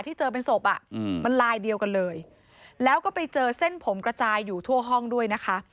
เจอเป็นศพอ่ะมันลายเดียวกันเลยแล้วก็ไปเจอเส้นผมกระจายอยู่ทั่วห้องด้วยนะคะ